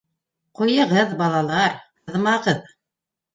— Ҡуйығыҙ, балалар, ҡыҙмағыҙ.